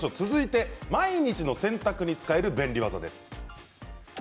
続いて毎日の洗濯に使える便利技です。